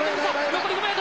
残り５ｍ。